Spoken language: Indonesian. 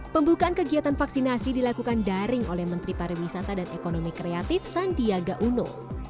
pembukaan kegiatan vaksinasi dilakukan daring oleh menteri pariwisata dan ekonomi kreatif sandiaga uno